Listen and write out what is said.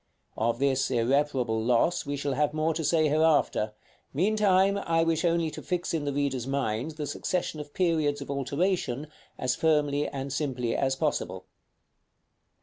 Of this irreparable loss we shall have more to say hereafter; meantime, I wish only to fix in the reader's mind the succession of periods of alteration as firmly and simply as possible.